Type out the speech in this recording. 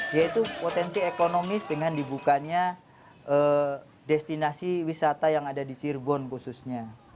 yaitu potensi ekonomis dengan dibukanya destinasi wisata yang ada di cirebon khususnya